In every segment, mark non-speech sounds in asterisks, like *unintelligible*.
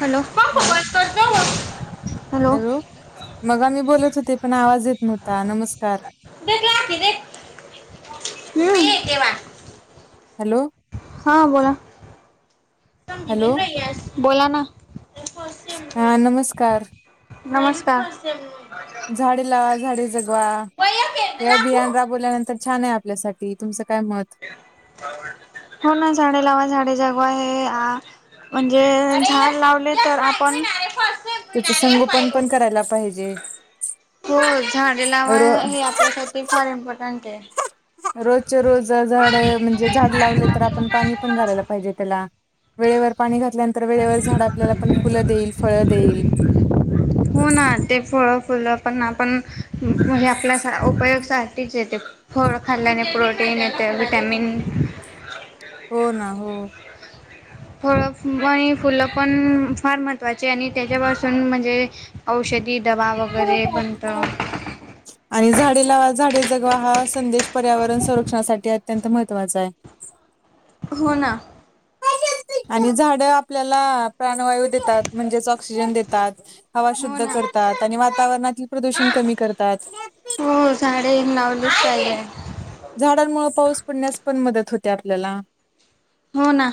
Hello? Hello hello? *unintelligible* मग आमी बोलत होते, पण आवाज येत नव्हता. नमस्कार! *unintelligible* हॅलो? हा बोला, हॅलो बोला ना, हा, नमस्कार! नमस्कार. झाडे लावा, झाडे जगवा, वया खेळते हे लाखू अभियान राबवल्यानंतर छान आहे आपल्यासाठी, तुमचं काय मत? हो ना, झाडे लावा झाडे जगवा, आहे आ म्हणजे झाड, लावले तर आपण. त्याच संगोपन पण, करायला पाहिजे. हो झाडे लावा रो हे, आपल्यासाठी फार इम्पॉर्टंट आहे. रोजचे रोज, झाड म्हणजे झाड लावले तर, आपण पाणी पण घालायला पाहिजे त्याला, वेळेवर पाणी घातल्यानंतर, वेळेवर झाड आपल्याला पण, फुलं देईल, फळ देईल, हो, ना ते फळ फुलं पण आपण, म्हणजे आपल्या उपयोग साठी च आहेत. फळ खाल्ल्याने प्रोटीन येत, विटॅमिन हो, ना हो, फळं आणि, फुलं पण फार महत्त्वाचे, आणि त्याच्यापासून म्हणजे औषधी, ती डबा वगैरे बनत, आणि झाडे लावा, झाडे जगवा हा, संदेश पर्यावरण संरक्षणासाठी अत्यंत महत्वां आहे. हो ना आणि झाड आपल्याला प्राणवायू देतात म्हणजेच ऑक्सिजन देतात हवा हो शुद्ध ना करतात आणि वातावरणातील प्रदूषण कमी करतात साडेे एक नऊ लोख ले झाडांमुळे पाऊस पडण्यास पण मदत होते आपल्याला हो ना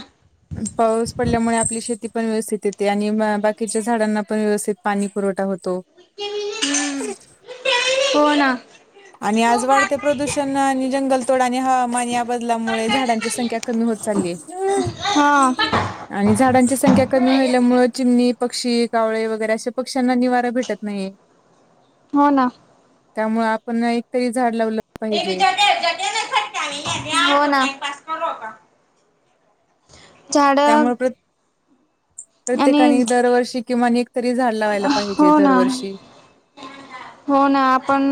पाऊस पडल्यामुळे, आपली शेती पण व्यवस्थित येते, आणि बाकीच्या झाडांना पण व्यवस्थित पाणी पुरवठा होतो. हम हो ना, आणि आज वाढते, प्रदूषण आणि जंगल, थोडाने हवामान या बदलामुळे, झाडांची संख्या कमी होत चालली. हा आणि झाडांची संख्या हो कमी व्हाल्यामुळेळ, चिमणी पक्षी कावळे वगैरे, अशा पक्ष्यांना निवारा भेटत नाहीये. *inaudible* हो ना त्यामुळे आपण एकतरी झाड लावलं पाहिजे फटक्या नाहीो झाड त्यामुळे प्र आणि प्रत्येकाने दरवर्षी किंवा एक तरी झाड लावायला पाहिजे हो ना दरवर्षी हो ना आपण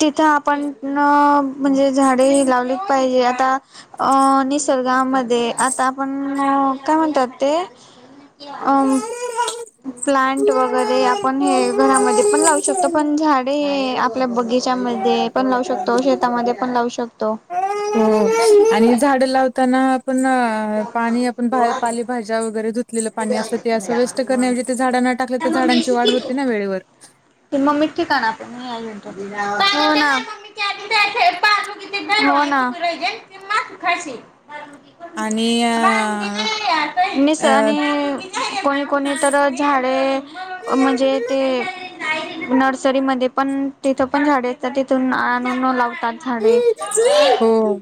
तिथं आपण म्हणजे झाडे ह लावलीच पाहिजे आता अ निसर्गामध्ये आता आपण काय म्हणतात ते अ प्लांट वगैरे आपण हे घरामध्ये पण लावू शकतो पण झाडे आपल्या बगीचामध्ये पण लावू शकतो शेतामध्ये पण लावू शकतो हो आणि झाड लावताना आपण पाणी आपण पाली भाज वरे ुलेलं पाणी असतं ते असं वेस्ट करण्याऐवज ते झाड न टाकले तर झाडांची वाढ होते ना वेळेवर कि मग मिठीिकाण आप म आई ना मा ख आणि निस आणि कोणी कोणी तर झाडे म्हणजे ते नर्सरी म पण तिथ पण झाड असतात तिथून अनण लावतात झाडे हो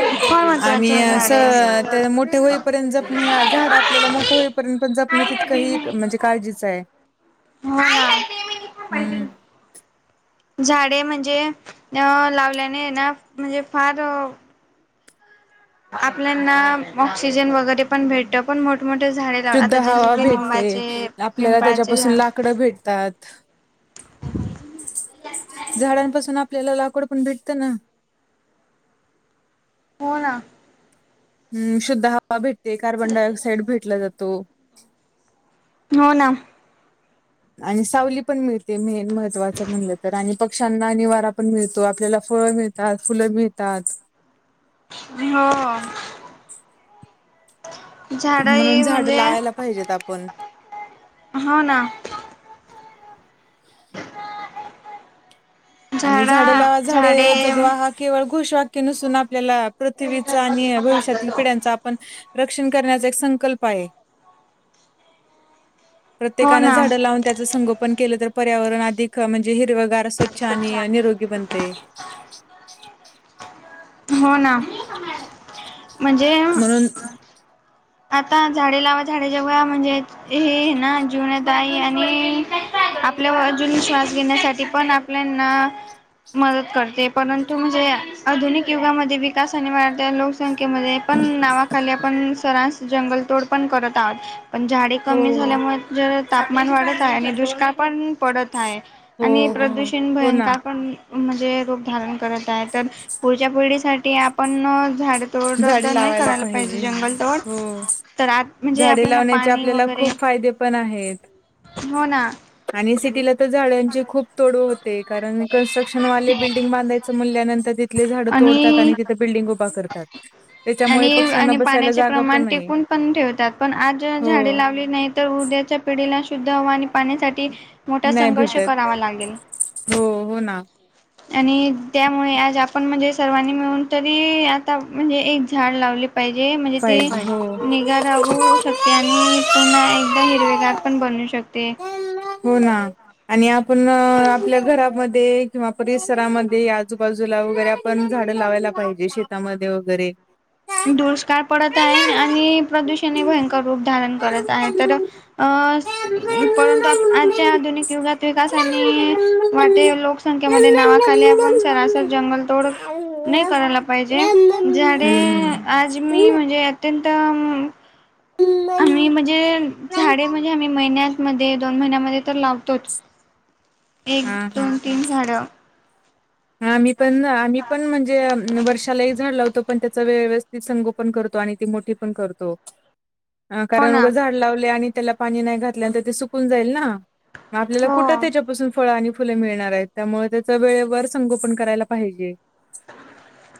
फार महत्त्वाचे आणि आहे अस झाडे. त्या मोठे होईपर्यंत जप नाही झाडा आपल्याला मोठं होईपर्यंत पण जपण तितकं म्हणजे काळजीचं आहे नाही नाही ते मी थां पाहिजे हम्म झाडे म्हणजे अ लावल्याने ना म्हणजे फार आपल्याना ऑक्सिजन वगैरे पण भेटत पण मोठ टमटर झा शुद्ध हवा भेटते आपल्याला पिंपळाचे त्याच्यापासून झाड लाकडं भेटतात झाडांपासून आपल्याला लाकूड पण भेटतं ना हो ना ् शुद्ध हवा भेटते कार्बन डाऑक्साइड भेटला जातो हो ना. आणि सावली पण मिळते मेन महत्त्वाचं म्हणलं तर आणिऽ पक्ष्यांना निवारा पण मिळतो, आपल्याला फळं मिळतात फुलं मिळतात. होां, झाड म्हणून ही झाड म्हणजे,,, लावायला पाहिजेत आपण हो ना. आणि झाडे लावा झाडे जगवा हाऽ केवळ घोषवाक्य नसून आपल्याला पृथ्वीच आणि भविष्यातील पिढ्यांचा आपणऽऽ रक्षण करण्याचा एक संकल्प आहे,, हो प्रत्येकान ना झाडं लावूनऽऽ त्याच संगोपन केलं तर पर्यावरणधिक म्हणजे हिरवगारऽऽ छान अनि निरोगी बनतय. हो ना म्हणजे म्हणून आता झाडे लावा झाडें जगवा म्हणजे हे ना जीवनात आ आहे आणि आपल्या अजून श्वास घेण्यासाठी पण प्लना मदत करते परंतु म्हणजे आधुनिक युगामध्ये विकसा आणि वाढत लोक संख्येमध्ये पण नावाखाली आपण सरस जंगलतोड पण करत आहोत पण झाडी हो कमी झाल्यामुळे जरा तापमान वाढत आहे,, आणि दुष्काळ पण पडत आहे. हो आणि हो प्रदूषण हो ना भयंकर पणऽऽ म्हणजे रूप धारण करत आहे, तर पुढच्या पिढीसाठी आपण झाडऽ तोड तर झाडे नाही लावायला करायला पाहिजे, जंगलतोड,, हो तर आत म्हणजे झाडे आपल्याला लावण्याचे पाणी आपल्याला वगैरेऽ खूप फायदे पण आहेत. हो ना. आणि सिटीला तर झाडांचे खूप तोड होते,, कारण कन्स्ट्रक्शनवाले बिल्डिंग बांधायचं मनल्यानंतर तिथऽ तली झाड तोडतात,, आणि तिथ बिल्डिंग उभा करतात. त्याच्यामुळे आणि, पक्ष्यांना आणि बसायला पाण्याचे जागा पण प्रमाण नाही टिकवुन पण ठेवतात पण आज हो झाडे लावली नाहीतऽ तर उद्याच्या पिढीला शुद्ध हवा आणि पाण्यासाठी मोठा नाही संघर्ष भेटत करावा लागेल. हो, हो ना. आणि, त्यामुळे आज आपण म्हणजे सर्वांनी मिळून तरी आता म्हणजे एक झाड लावलेऽऽ पाहिजे म्हणजे ते पाहिजे हो निगा राहू शकऽ ते आणि पुन्हा एकदा हिरवेगार पण बनू शकते. हो ना,, आणि आपण आपल्या घरामध्येऽऽ किंवा परिसरामध्ये, आजूबाजूला वगैरे आपण झाडं लावायला पाहिजे,, शेतामध्ये वगैरे, हम्म दुष्काळ पडत आहे आणि प्रदूषण भयंकर रूप धारण करत आहे तर अंऽऽपरंतु आजच्या आधुनिक युगात विकास आणिऽऽ वाटे लोकसंख्येमध्ये नावाखाली आपण सरासर जंगलतोडऽऽ नाही करायला पाहिजे,, झाडेऽऽ आज मी म्हणजे अत्यंत,, आ्मही म्हणजे झाडेऽ म्हणजे आम्ही महिन्यामध्ये दोन महिन्यामध्ये तर लावतोच,, एक हा दोनऽ तीन झााड. ह, आम्ही पण आम्हीऽऽ पण म्हणजे,, वर्षाला एक झाड लावतो पण त्याचा व्यवस्थित संगो पण करतो आणि ती मोठी पण करतो. अ हो कारण ना उगं झाड लावले आणि त्याला पाणी नाही घातलेनंत ते सुकून जाईल ना, आपल्याला हो कुठं त्याच्यापासून फळ आणि फुलं मिळणार आहेत, त्यामुळे त्याच वेळेवरऽ संगोपन करायला पाहिजे,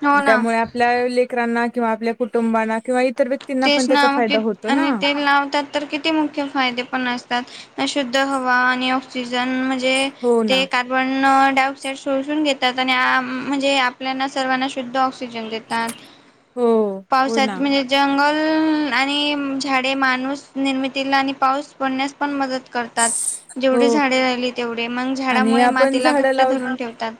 हो ना त्यामुळेऽ आपल्या लेकरांना किंवा आपल्या कुटुंबाांना किंवा इतर व्यक्तीऽ तेच नावक आणि ते लावतातऽऽ तर किती मुख्य फायदे पण असतात,, अ शुद्ध हवा आणि ऑक्सिजन म्हणजेऽऽ हो ना. ते का? पण डाऑक्साईड सोशुन घेतात, आणि म्हणजे आपल्याना सर्वांना शुद्ध ऑक्सिजन देतातऽ ह पावसात म्हणजेऽ जंगल ऽऽआणि झाडे माणूस निर्मितीला आणि पाऊस पडण्यास पण मदत करतात. तात, हो जेवढी झाडे राहिली तेवढी मगऽ आणि झाडामुळे आपण मातीला झाडं घट्ट लावली धरून ठेवतात,,,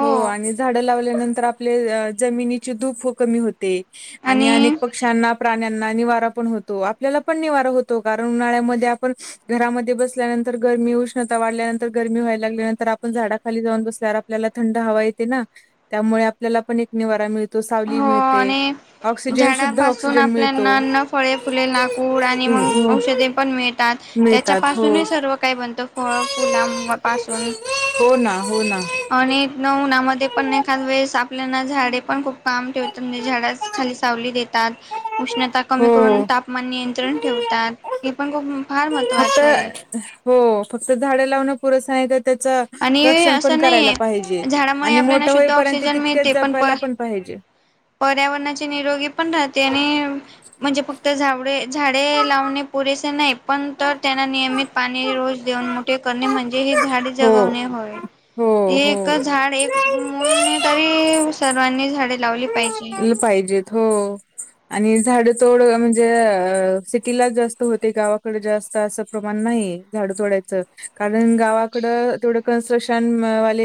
हो आणि झाडं लावल्यानंतर आपले जमिनीची धुप कमी होते,, आणिऽ आणि पक्ष्यांना, प्राण्यांना निवारा पण होतो,, आपल्याला पण निवारा होतो,, कारण उन्हाळ्यामध्ये आपणऽ घरामध्ये बसल्यानंतर गरमी उष्णता वाढल्यानंतर गरमी व्हायला लागल्या नंतर आपण झाडाखाली जाऊन बसल्यावर आपल्याला थंड हवा येते ना त्यामुळे आपल्याला पण एक निवारा मिळतो सावली हो मिळते. आणि ऑक्सिजन शुद्ध झाडापासून ऑक्सिजन मिळतो. आपल्याना न फळे फुले लाकूड आणि हम्म, मग हो औषधे पण मिळतात मिळतात हो. त्याच्यापासूनही सर्व काय बनतं फळ फुलां पासून हो ना हो ना आणि न उन्हामध्ये पण नाहीखास वेळेस आपल्याना झाडे पण खूप काम हो. ठेवतात म्हणजे झाड खाली सावली देतात उष्णता कमी करून तापमान नियंत्रण ठेवतात हे पण खूप फार म फक्त हो फक्त झाडं लावण पुर नाही तर त्याच आणि रक्षण पण असं करायला नाहीये पाहिजे झाडामुळे आणि आपल्याला मोठं शुद्ध होईपर्यंत ऑक्सिजन तितक्याच मिळते प जपायला पण पाहिजे. पर्यावरणाचे निरोगी पण राहते आणि म्हणजे फक्त झावडे झाडे लावणे पुरेसे नाही. पण तर त्यांना नियमित पाणी रोज देऊन मोठे करणे म्हणजे हे झाडे हो गवणे हो झाड एक मुलने तरी सर्वांनी झाडे लावली पाहिजे. पाहिजे हो आणि झाड चोड म्हणजे सिटीलाच जास्त होते गावाकडे जास्त असं प्रमाण नाही. झाड तोडायचं कारण गावाकडं तेवडं कन्स्ट्रक्शन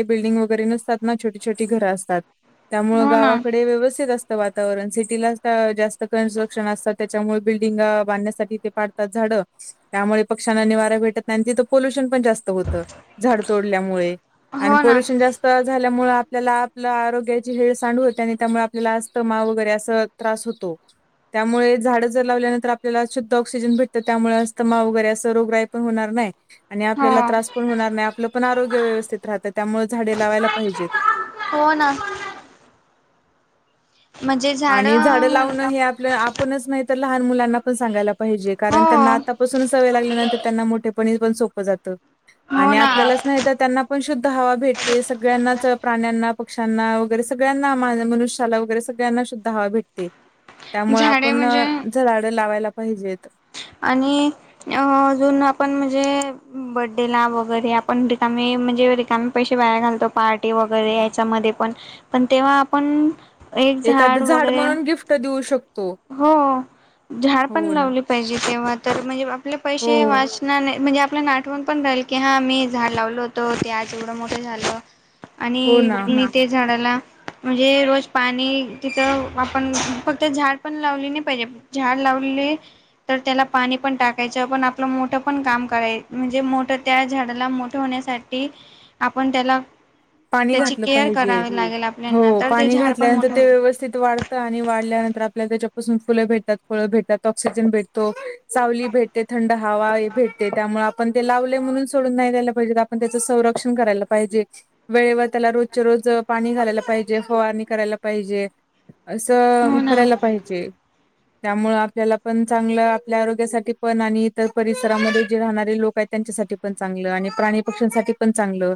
बिल्डिंग वगरे नतात ना छोट छोटी घरं असतात त्यामुळे हो ना गावा. ते व्यवस्थित असत वातावरण सिटीला जास्त कन्स्ट्रक्शन असतात त्याच्यामुळे बिल्डिंग बांधण्यासाठी झाडं त्यामुळे पक्ष्यांना निवारा भेटत नाही तिथं पोल्युशन पण जास्त होतं झाड तोडल्यामुळे आणि हो ना पोल्युशन जास्त झाल्यामुळे आपल्याला आपलं आरोग्याची हेळ सांडवते आणि त्यामुळे आपल्याला असस्त मा वगैरे असं त्रास होतो. त्यामुळे झाडं जर लावल्यानंतर आपल्याला शुद्ध ऑक्सिजन भेटतं त्यामुळे अस्तमा वगैरे असं रोग पण होणार नाही. आणि हो. आपल्याला त्रास पण होणार नाही आपलं पण आरोग्य व्यवस्थित राहतं त्यामुळे झाडे लावायला पाहिजेत. हो ना म्हणजे झाड आणि झाडं लावणं हे आपलं आपणच माह तर लहान मुलांना पण सांगायला पाहिजे हो कारण त्यांना आतापासून सवय लागल्यानंतर त्यांना मोठेपणी पण सोपं जातं. हो आणि ना आपल्यालाच नाही तर त्यांना पण शुद्ध हवा भेटते सगळ्यांनाच प्राण्यांना, पक्ष्यांना वगैरे सगळ्यांना मा मनुष्याला वगैरे स ना सुद्धा हवा भेटते त्यामुळे झाडे आपण म्हणजे जराड लावायला पाहिजेत. आणि अ अजून आपण म्हणजे बर््डेला वगैरे आपण रिकाम म्हणजे रिका पैसे बाहेर घालतो पार्टी वगैरे याच्यामध्ये पण पण तेव्हा आपण एक झाड एखादं वगैरे म्हणून गिफ्ट देऊ शकतो. हो झाड पण हो ना. लावली. पाजे तेव्हा तर म्हणजे आपले हो, पैसे वाच म्हणजे आप नाट आठवून पण राहिल की हा मी झाड लावलो होतो ते आज एवढं मोठे झालं हो आणि ना. मी ते झाडाला म्हणजे रोज पाणी तिथं आपण फक्त झाड पण लावली नाही पाहिजे. झाड लावले. तर त्याला पाणी पण टाकायचं पण आपलं मोठं पण काम कराय म्हणजे मोठं त्या झाडाला मोठं होण्यासाठी. आपण त्याला पाणी त्याची घातलं केअर पाहिजे करावी लागेल हो आपल्याना तर ते पाणी झाड पण घातल्यानंतर मोठं ते व्यवस्थित वाढ णी वाढल्यानंतर आपल्याला त्याच्यापासून फुलं भेटतात फळं भेटतात ऑक्सिजन भेटतो. सावली भेटते थंड हवा भेटते त्यामुळे आपण ते लावले म्हणून सोडून नाही द्यायला पाहिजेत आपण त्याचं संरक्षण करायला पाहिजे. वेळेवर त्याला रोजच्या रोज पाणी घालायला पाहिजे फवारणी करायला पाहिजे. असं हो ना करायला पाहिजे. त्यामुळे आपल्याला पण चांगलं आपल्या आरोग्यासाठी पण आणि इतर परिसरामध्ये जे राहणारे लोक आहेत. त्यांच्यासाठी पण चांगलं आणि प्राणी पक्ष्यांसाठी पण चांगलं.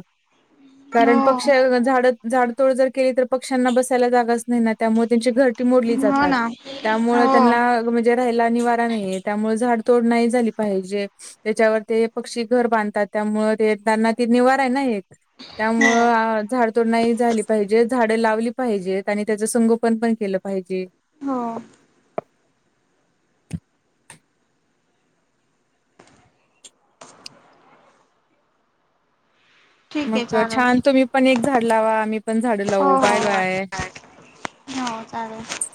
कारण पक्ष हो झाड झाडतोड जर केली तर पक्ष्यांना बसायला जागाच नाही ना. त्यामुळे त्यांची घरटी मोडली हो जातात ना त्यामुळे हो त्यांना राहिला निवारा नाहीे त्यामुळे झाड तोड नाही झाली पाहिजे. त्याच्यावर ते पक्षी घर बांधतात त्यामुळ ते त्यांना ते निवारा आहे ना एक. हो त्यामुळं झाड ो नाही झाली पाहिजे झाडं लावली पाहिजेत आणि त्याच संगोपन पण केलं पाहिजे. हो. ठीक आहे मग चालेल छान तुम्ही पण एक झाड लावा आम्ही पण झाडं हो लावू हो बाय बाय. हो चालेल.